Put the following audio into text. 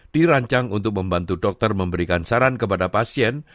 dirancang untuk membantu dokter memberikan saran kepada pasien